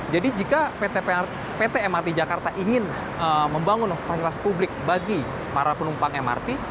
jadi jika pt mrt jakarta ingin membangun fasilitas publik bagi para penumpang mrt